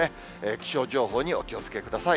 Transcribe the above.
気象情報にお気をつけください。